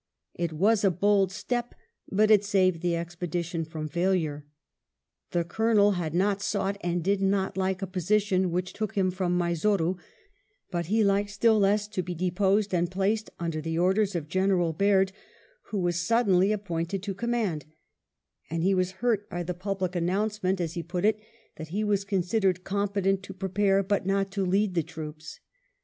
It was a bold step, but it saved the expedi tion from failure. The Colonel had not sought and did not like a position which took him from Mysore, but he liked still less to be deposed and placed under the orders of General Baird, who was suddenly appointed to command ; and he was hurt by the public announcement, II THE EXPEDITION TO EGYPT 55 as he put it, that he was considered competent to prepare but not to lead the troops.